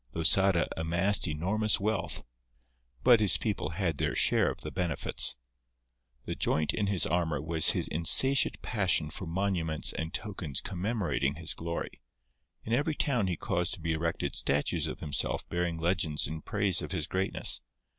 Losada amassed enormous wealth, but his people had their share of the benefits. The joint in his armour was his insatiate passion for monuments and tokens commemorating his glory. In every town he caused to be erected statues of himself bearing legends in praise of his greatness.